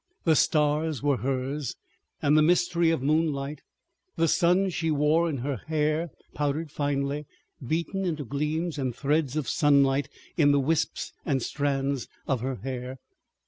The stars were hers, and the mystery of moonlight; the sun she wore in her hair, powdered finely, beaten into gleams and threads of sunlight in the wisps and strands of her hair.